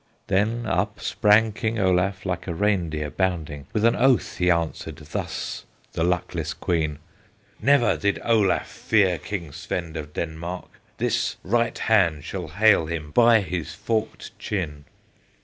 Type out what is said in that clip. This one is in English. Then up sprang King Olaf, Like a reindeer bounding, With an oath he answered Thus the luckless Queen: "Never yet did Olaf Fear King Svend of Denmark; This right hand shall hale him By his forked chin!"